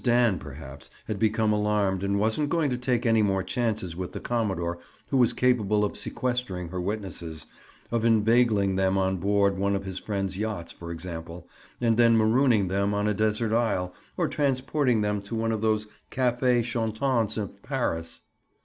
Dan, perhaps, had become alarmed and wasn't going to take any more chances with the commodore who was capable of sequestering her witnesses, of inveigling them on board one of his friend's yachts, for example, and then marooning them on a desert isle, or transporting them to one of those cafe chantants of Paris.